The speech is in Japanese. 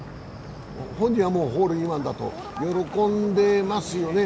本人はもうホールインワンだと喜んでますよね